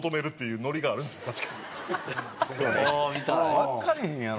わかれへんやろ。